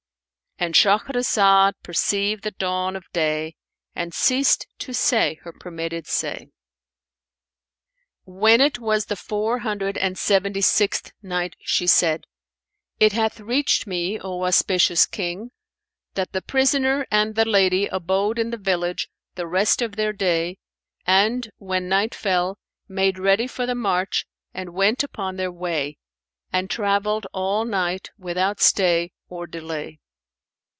And Shahrazad perceived the dawn of day and ceased to say her permitted say. When it was the Four Hundred and Seventy sixth Night, She said, It hath reached me, O auspicious King, that the prisoner and the lady abode in the village the rest of their day and, when night fell, made ready for the march and went upon their way; and travelled all night without stay or delay.